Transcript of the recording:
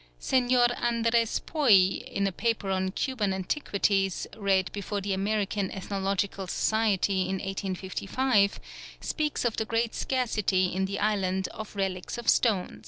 Señor Andres Poey in a paper on "Cuban Antiquities," read before the American Ethnological Society in 1855, speaks of the great scarcity in the island of relics of stone.